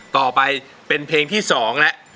ต่อไปเป็นเพลงที่๒แล้ว